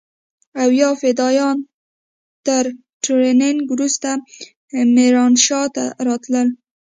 او يا فدايان تر ټرېننگ وروسته ميرانشاه ته راتلل.